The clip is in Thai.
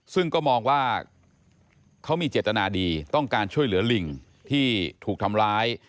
ซึ่งก็มองว่าเขามีเจตนาดีต้องการช่วยเหลือลิงที่ถูกทำร้าย